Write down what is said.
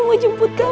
mau jemput kamu nak